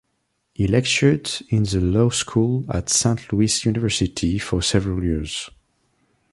He lectured in the law school at Saint Louis University for several years.